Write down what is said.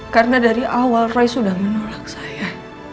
karena dari awal roy sudah menolak saya